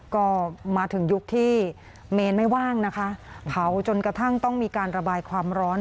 ก็มาถึงยุคที่เมนไม่ว่างนะคะเผาจนกระทั่งต้องมีการระบายความร้อน